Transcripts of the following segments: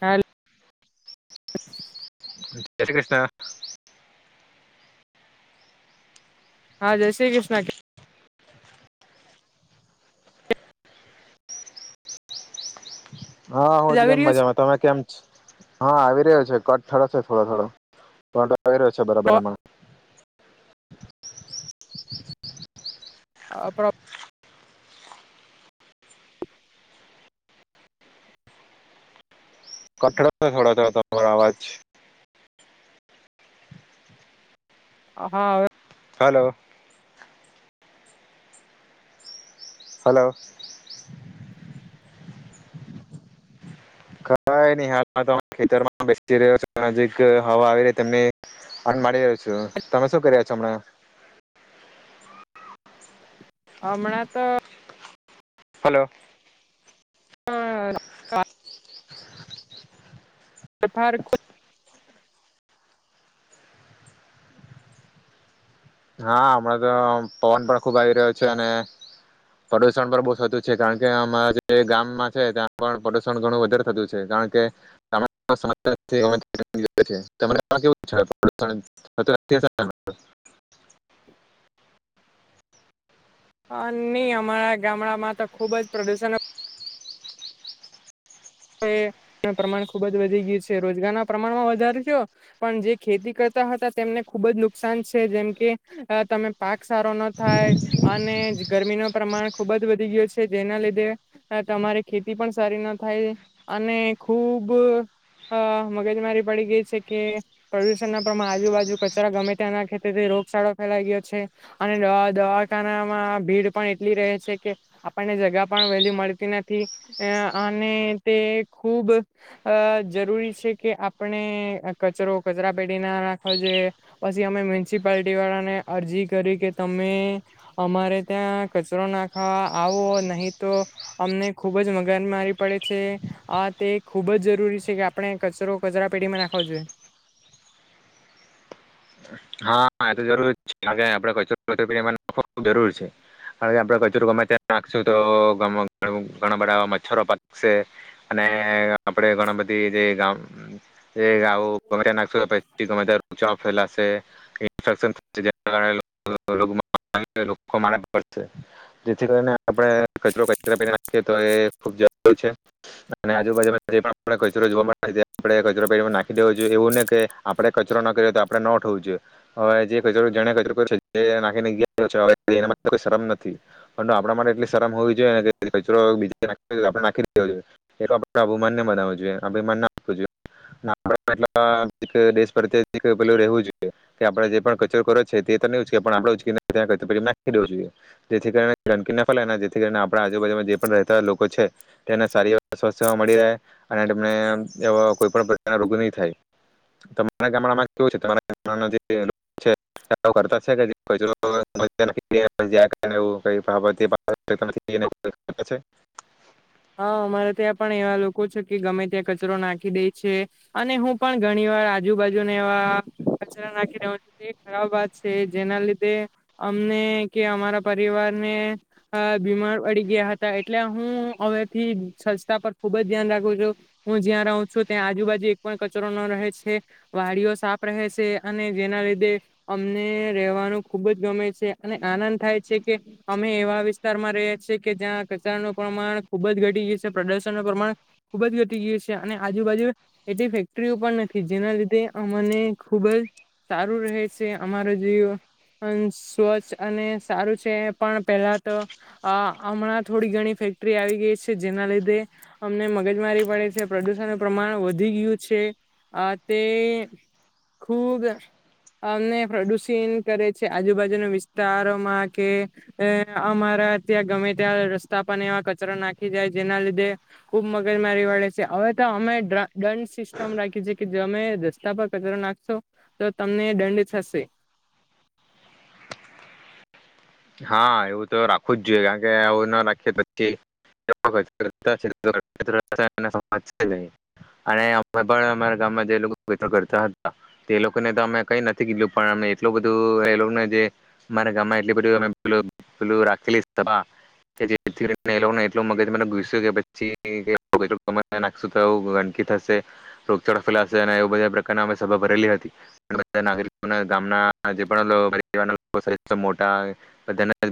હાલ જય શ્રી કૃષ્ણ. હા જય શ્રી કૃષ્ણ હા હું જ આવી ગમ રહ્યો છે મજામાં તમે કેમ છ? હા આવી રહ્યો છે. કટ થ છે થોડા થોડા કઈ રહ્યો છે બરાબર હમણા. અ [unintelligible] હા હવે હાલો. હાલો. કઈ નહી હાલ ખેતરમાં બેસી રહ્યો છે નજીક હવા આવી રહી તને અનમાડી રહ્યો છું. તમે શું કર્યા છો હમણાં? હમણા તો હાલો. સફાર ખૂ હા હમણાં તો પવન પણ ખુબ આવી રહ્યો છે અને પ્રદુષણ પણ બહુ થતું છે. કારણ કે અમારા જે ગામમાં છે ત્યાં પણ પ્રદુષણ ઘણું વધારે થતું છે કારણ કે [inaudible] અ ની અમારા ગામડામાં તો ખુબ જ પ્રદુષણ હ એ પ્રમાણ ખુબ જ વધી ગયું છે. રોજગારના પ્રમાણમાં વધારો થયો પણ જે ખેતી કરતા હતા તેમને ખુબ જ નુકસાન છે જેમ કે તમે પાક સારો ના થાય અનેજ ગરમી ન પ્રમાણ ખુબ જ વધી ગયું છે જેના લીધે તમારી ખેતી પણ સારી ન થાય. અને ખુબ અ મગજમારી પડી ગઈ છે કે પ્રદુષણ ના પ્રમાણે આજુબાજુ કચરા ગમે તના ખેથી રોગચાળો ફેલાઈ ગયો છે અને દવા દવાખાનામાં ભીડ પણ એટલી રહે છે કે આપણને જગા પણ વેલ્યુ મળતી નથી. અ અને તે ખૂબ અ જરૂરી છે કે આપણે કચરો કચરા પેટી ના નાખવો જોઈએ પછી અમે મ્યુનિસિપાલટીવાળાને અરજી કરી કે તમે અમારે ત્યાં કચરો નાખવા આવો નહીં તો અમને ખૂબ જ મગજ મારી પડે છે. હા તે ખુબ જ જરૂરી છે કે આપણે કચરો કચરા પેટીમાં નાખાવો જોઈએ. હા એ તો જરૂર જ છે કારકે આપણે કચરો ખુબ જરૂર છે કારણ કે આપણે કચરો ગમે ત નાખશું તો ઘણા બધા મચ્છરો પાકશે અને આપણે ઘણા બધી જે ગ ગમે ત નાખશું પછી ગમે તચા ફેલાશે. જેથી કરીને આપણે કચરો તો એ ખૂબ જરી છે અને આજુબાજુરો જે પણ જોવા કચરો પે નાખી દેવો જોઈએ એવું કે આપણે કચરો ન કરએ તો આપણે ન થવું જોઈએ. હવે જે કચરો જ્યાને કચરો કાયરો છે તે નાખી શરમ નથી આપ માટે એટલી શરમ હોવી જોઈએ [unintelligible] જોઈેવું જોઈ [unintelligible] દેશપરદેશ રેહુ જોઈએ. કે આપણે જે પણ કચરો કર્યો છે તે તો નહી ઉચકે પણ આપ ઉ ખ જોઈએ જેથીને ગંદકી ના ફથી કરીને આપ આજુબાજુમાં જે પણ રહેતા લોકો છે તેને સારી સ્સ્થ મળી રહે અનેને કોઈ પણ પ્રકાર રોગ નહી થાય. તમારા ગામડામાં કેઉ છે? ગામડાના જે લોકો છે તે આવું કરતા છે કે જે કચરો નાખી? હા અમારા ત્યાં પણ એવા લોકો છે કે ગમે ત્યાં કચરો નાખી દે છે અને હું પણ ઘણી વાર આજુબાજુને એવા કચરા નાખી રહ્યો છું તે ખરાબ વાત છે જેના લીધે અમને કે અમારા પરિવારને બીમાર પડી ગયા હતા એટલે હું હવેથી સસ્તા પર ખૂબ જ ધ્યાન રાખું છું. હું જ્યાં રહું છું ત્યાં આજુબાજુ એક પણ કચરો ન રહે છે વાડીઓ સાફ રહે છે અને જેના લીધે અમને રહેવાનું ખૂબ જ ગમે છે અને આનંદ થાય છે કે અમે એવા વિસ્તારમાં ર છીએ કે જ્યાં કચરાનું પ્રમાણ ખુબ જ ઘટી ગયૂ છે પ્રદર્શનનું પ્રમાણ ખુબ જ ઘટી ગયું છે. અને આજુબાજુ એટલી ફેક્ટરીઓ પણ નથી જેના લીધે અમને ખૂબ જ સારું રહે છે અમારો જીવ સ્વચ્છ અને સારું છે પણ પહેલા તો અ હમણાં થોડી ઘણી ફેક્ટરી આવી ગેય છે જેના લીધે અમને મગજમારી પડે છે પ્રદુષણનું પ્રમાણ વધી ગયું છે આ તે ખુબ અમને પ્રદુષિન કરે છે આજુબાજુના વિસ્તારોમાં કે અ અમારા ત્યાં ગમે ત્યાં રસ્તા પણ એવા કચરો નાખ ખી જાય જેના લીધે ખૂબ મગજમારી વળે છે હવે તો અમે દ્રણ દંડ સિસ્ટમ રાખી છે જમે રસ્તા પર કચરો નાખશો તો તમને દંડ થશે. હા એવું તો રાખવું જ જોઈએ કારણ કે આવું ના રાખીએ પછી અને ગામમાં જે કરતા હતા તે લોકોને તો અમે કઈ નથી કીધું પણ એટલું બધું એ લોકોને જે મારા ગામમાં એટલી બધ પેલુ પેલુ રાખેલી સભા જે એટ મગજ મ કે પછીખ તો ગંદકી થશે રોગચળા ફેલાશે અને એ બધા પ્રકાર સભા ભરેલી હતીગ ગામના જે પણ મોટા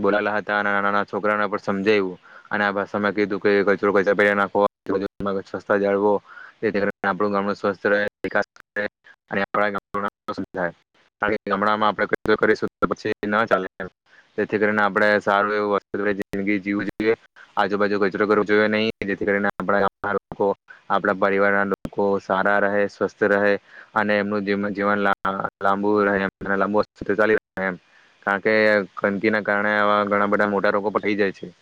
બોલા હતા અને નાના નાના છોકરાઓને પછી સમજાવું અને આ ભાષામાં કીધું કે કચરો નાખ જાળવો ગામ સ્વસ્ ગામ સ્વસ્થ રહે વિકાસ અને આપણ ગામ નુ નામ રોશન કરણ કે ગમાણમાં આપણે કચરો કરીશું તો ન ચાલે એમ. જેથી કરીને આપણેે સારું એવુંસ્ત જિંદગી જીવું જોઈએ આજુબાજુ કચરો કરવો જોઈએ નહી જેથી કરીને આપણા ગ લોકો આપણા પરિવાર ના લોકો સારા રહે સ્વસ્થ રહે અને એમનું જીવન લાંબુ રહે એમ કારણ કે. ગંદગી ના કારને આવા ઘણા બધા મોટા રોગો પટી જાય છે.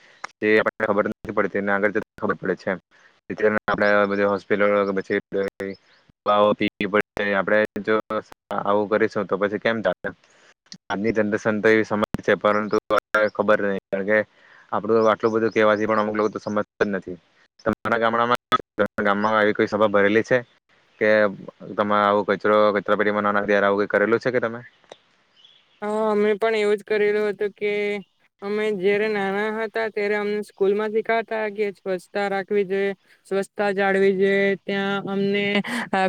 જે [unintelligible] છે પરંતુ [unintelligible] ખબર નહી કારણ કે આપડું આટલું બધું કેવા પણ અમુક લોકો સમજતા જ નથી તમારા ગામડામાં ગામમાં આવીઈ સભા ભરેલી છે કે તમારે આવું કચરો કચરા પેટીમાં નાના ત આવું કઈ કરેલું છે કે તમે? હા અમે પણ એવું જ કરલું હતું કે અમે જયારે નાના હતા ત્યારે અમને સ્કૂલ માં શીખાતા કે સ્વચ્છતા રાખવી જોઈએ, સ્વચ્છતા જાળવી જોઈએ, ત્યાં અમને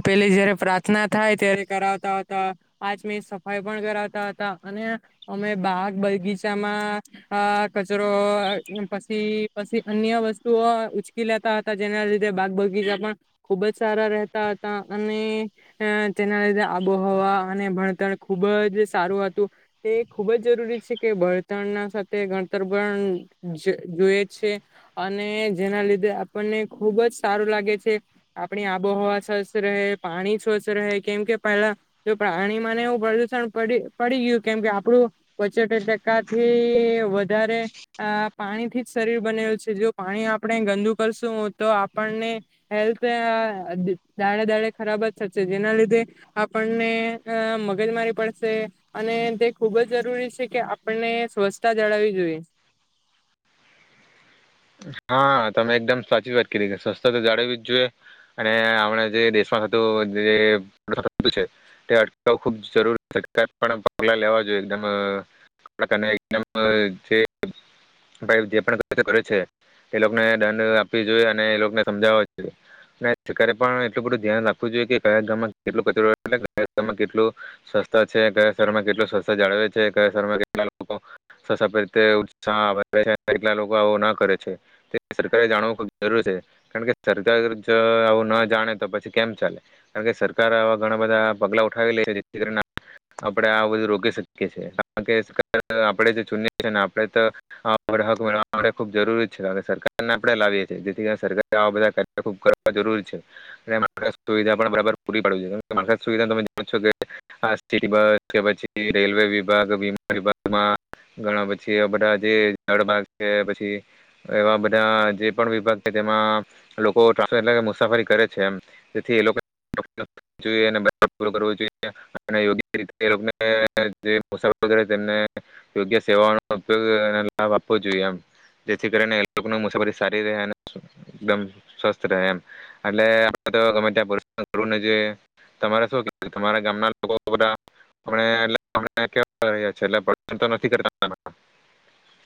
પેલી જયારે પ્રાર્થના થાય ત્યારે કરાવતા હતા પાચમી સફાઈ પણ કરાવતા હતા. અને અમે બાગ બગીચામાં આ કચરો અ પછી પછી અન્ય વસ્તુઓ ઉચકી લેતા હતા, જેના લીધે બાગ બગીચા પણ ખુબ જ સારા રહેતા હતા. અને અ તેના લીધે આબોહવા અને ભણતર ખુબ જ સારું તે ખૂબ જ જરૂરી છે કે, બળતરના સાથે ગણતર પણ જ જોઈ છે. અને જેના લીધે આપણને ખૂબ જ સારું લાગે છે. આપણી આબોહવા સ્વચ્છ રહે, પાણી સ્વચ્છ રહે, કેમ કે પહેલા પાણીમાંને એું પ્રદુષણ પડી પડી ગયૂ કેમ કે આપણું પચોતેર ટકાથી વધારે અ પાણીથી જ શરીર બનેલું છે, જો પાણી આપણે ગંદુ કરશું તો આપણને હેલ્થ દાડે દાડે ખરાબ જ થશે જેના લીધે આપણને મગજમારી પડશે. અને તે ખૂબ જ જરૂરી છે, કે આપણને સ્વચ્છતા જાળવવી જોઈએ. હા તમે એકદમ સાચી જ વાત કરી, કે સસ્તા તો જાળવવી જ જોઈએ અને આપણા જે દેશમાં થતું છે તે [unintelligible] અટકાવું ખુબ જરૂરી સર પગલા લેવા જોઈએ [unintelligible] એકદમમ જે જે પણે કરે છે. એ લોકોને દંડ આપવી જોઈએ, અને એ લોકોને સમજાવવા જોઈએ અને સરકારે પણ એટલું બધું ધ્યાન રાખવું જોઈએ કે કયા ગામમાં કેટલું કચામમાં કેટલું સ્વસ્થતા છે કયા શરમાં કેટલું સ્વસ્ જાળવે છેયા શરમાં કેટલાતે ઉત્સાહ છે કેટલા લોકો આવ ના કરે. [unintelligible] છે સરકારે જાણવું ખબ જરૂરી છે. કારણ કે સરકાર જો આવું ના જાણે તો પછી કેમ ચાલે. કારણ કે સરકાર આવા ઘણા બધા પગલા ઉઠાવી લે છે, જેથી કરીને આપણે આ બધું રોકી શકીએ છીએ. કારણ કે સર આપણે જે ચૂન [unintelligible] છીને આપણે તોક મેળવા માટે ખબ જરૂરી [unintelligible] સરકારને આપડણે લાવીએ જેથી સરક આવા બધા કાર્ય ખૂબ કરવા જરૂર છે અને મા સુવિધા પણ બરાબર પૂરી પાડવી છે મા સુવિધા તમે જો છો કે આ સ બસ કે પછી રેલવે વિભાગ વીમા વિભાગમાં ઘણા પછી બધા જે કે પછી. એવા બધા જે પણ વિભાગ છે, તેમાં લોકો ટ્રસ એટ મુસાફરી કરે છે, એ તેથીયોગ્ય રીતે જેસારી કરેને યોગ્ય સેવાઓનોગ લાભ આપવો જોઈએ એમ. જેથી કરીને લોકો મુસાફરી સારી રહે એકદમ સ્વસ્થ રહે એમ એટલે તોમે ત્યા કર જોઈએ તમારે શ તમારા ગામના લોકો બધા.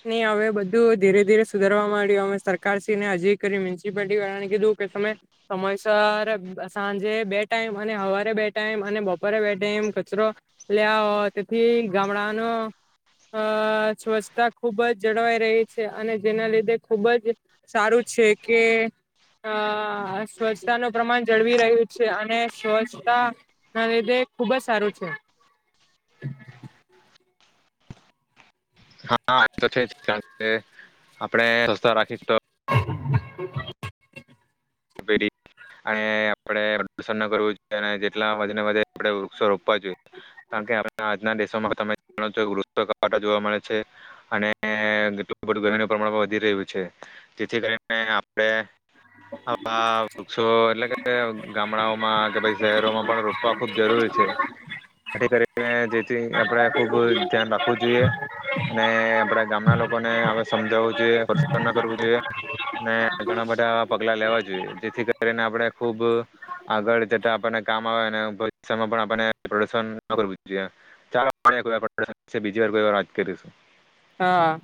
નહી હવે બધું ધીરે ધીરે સુધારવા માંડ્યું અ સરકારશ્રીને હજી કરી મ્યુનિસિપાલિટી વાળાને કીધું કે ત સમયસર સાંજે બે ટાઈમ, અને સવારે બે ટાઈમ, અને બપોરે બે ટાઈમ કચરો લે તેથી ગામડાનો અ સ્વચ્છતા ખૂબ જ જળવાઈ રહી છે. અને જેના લીધે ખૂબ જ સારું છે કે આ સ્વચ્છતાનું પ્રમાણ જળવી રહ્યું છે. અને સ્વચ્છતા ના લીધે ખૂબ જ સારું છે. [inaudible] હા તો છે જ, કારણ આપણે સતા રાખી તો [inaudible] [unintelligible] અને આપણે [unintelligible] કરવું જોઈએ, અને જેટલા વધને વધે આપણે વૃક્ષો રોપવા જોઈએ. કારણ કે આજના દેશોમાં તમે જાો છો વૃક્ષો કતા જોવા મળે છે. અને એટલું ગરમીનું પ્રમાણ પણ વધી રહ્યું છે જેથી કરીને આપણે મા વૃક્ષો એટલે કે ગામડાઓમાં કે પછ શહેરોમાં પણ રોપવા ખુબ જરૂરી છે. [unintelligible] મે જેથી આપ આપડે ખુબ ધ્યાન રાખવું જોઈએ. અને આપડા ગામના લોકોને હવે સમજાવવું જોઈએ પ્રસન્ન કરવું જોઈએ, અને ઘણા બધા પગલા લેવાજ. જેથી કરીને આપણે ખુબ આગળ જતા આપણને કામ આવે ભવિષ્યમાં પણ આપોશન કર જોઈ [unintelligible] વાર કો વાત કરીશું. હા.